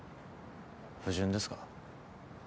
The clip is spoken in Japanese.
不純ですか？